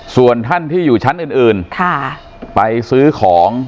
ส่วนท่านที่อยู่ชั้นอื่นไปซื้อของ